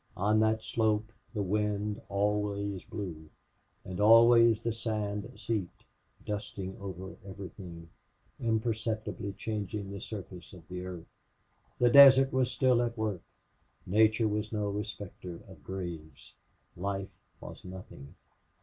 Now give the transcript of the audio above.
On that slope the wind always blew, and always the sand seeped, dusting over everything, imperceptibly changing the surface of the earth. The desert was still at work. Nature was no respecter of graves. Life was nothing.